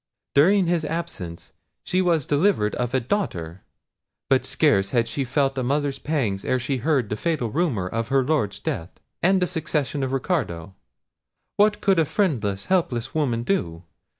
During his absence she was delivered of a daughter. But scarce had she felt a mother's pangs ere she heard the fatal rumour of her Lord's death, and the succession of Ricardo. What could a friendless, helpless woman do?